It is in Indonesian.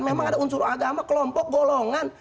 memang ada unsur agama kelompok golongan